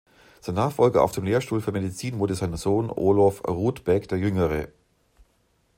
Sein Nachfolger auf dem Lehrstuhl für Medizin wurde sein Sohn Olof Rudbeck der Jüngere.